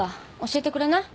教えてくれない？